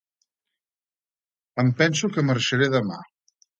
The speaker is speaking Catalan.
Em penso que marxaré demà.